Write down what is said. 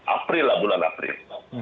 april lah bulan april